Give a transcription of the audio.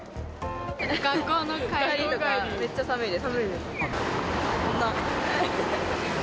学校の帰りとか、めっちゃ寒いです。